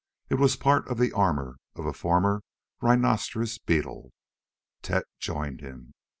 It was part of the armor of a former rhinoceros beetle. Tet joined him.